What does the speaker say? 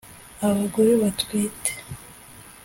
abagore batwite